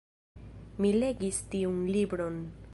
Mi legis tiun libron.